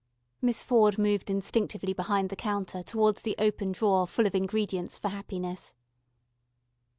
Miss Ford moved instinctively behind the counter towards the open drawer full of ingredients for happiness.